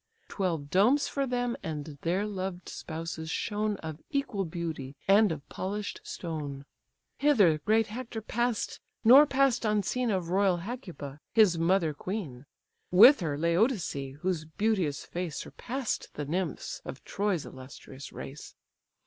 Twelve domes for them and their loved spouses shone, Of equal beauty, and of polish'd stone. Hither great Hector pass'd, nor pass'd unseen Of royal Hecuba, his mother queen. (With her Laodice, whose beauteous face Surpass'd the nymphs of Troy's illustrious race.)